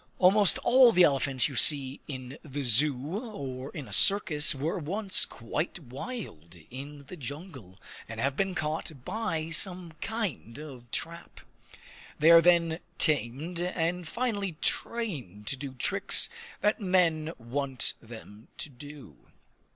Almost all the elephants you see in the zoo or in a circus were once quite wild in the jungle, and have been caught by some kind of trap. They are then tamed, and finally trained to do tricks that men want them to do.